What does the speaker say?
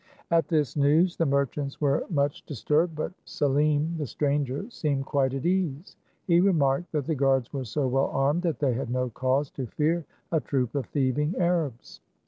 At this news the merchants were much dis turbed ; but Selim, the stranger, seemed quite at ease. He remarked that the guards were so well armed that they had no cause to fear a troup of thieving Arabs.